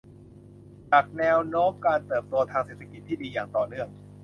จากแนวโน้มการเติบโตทางเศรษฐกิจที่ดีอย่างต่อเนื่อง